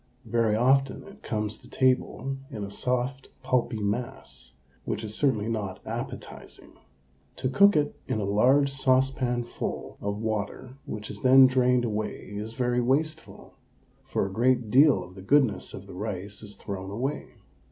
Very often it comes to table in a soft, pulpy mass, which is certainly not appetising. To cook it in a large saucepanful of water which is then drained away is very wasteful, for a great deal of the goodness of the rice is thrown away.